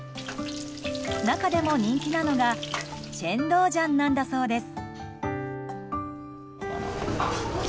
中でも人気なのがシェンドウジャンなんだそうです。